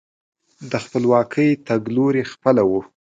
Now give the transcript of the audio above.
د خپلواکۍ تګلوري خپله وه.